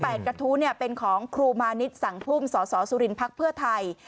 กระทู้เนี่ยเป็นของครูมานิดสังพุ่มสสสุรินพักเพื่อไทย